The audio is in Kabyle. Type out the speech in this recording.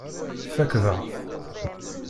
Tfakkeḍ-aɣ-t.